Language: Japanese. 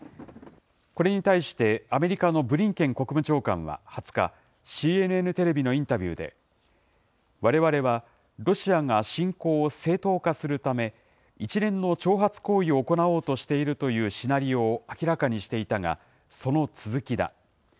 これに対してアメリカのブリンケン国務長官は２０日、ＣＮＮテレビのインタビューで、われわれはロシアが侵攻を正当化するため、一連の挑発行為を行おうとしているというシナリオを明らかにしていたが、その続きだ。